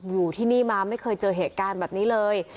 อยู่ที่นี่มาไม่เคยเจอเหตุการณ์แบบนี้เลย